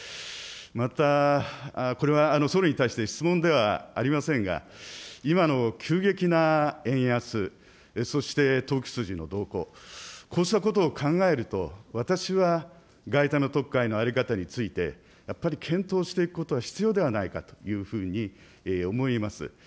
また、これは総理に対して質問ではありませんが、今の急激な円安、そして投機筋の動向、こうしたことを考えると、私は外為特会の在り方について、やっぱり検討していくことは必要ではないかというふうに思います。